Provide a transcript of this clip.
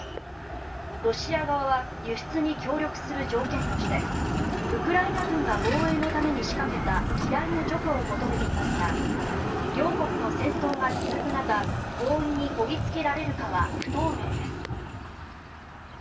ロシア側は輸出に協力する条件としてウクライナ軍が防衛のために仕掛けた機雷の除去を求めていますが両国の戦闘が続く中合意にこぎ着けられるかは不透明です。